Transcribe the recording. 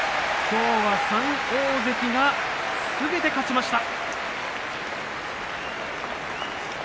きょうは３大関がすべて勝ちました。